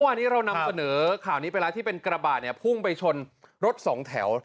วันนี้เรานำเสนอข่าวนี้ไปแล้วที่เป็นกระบะเนี่ยพุ่งไปชนรถสองแถว